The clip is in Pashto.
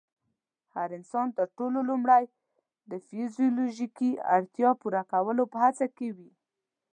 هر انسان تر ټولو لومړی د فزيولوژيکي اړتیا پوره کولو په هڅه کې وي.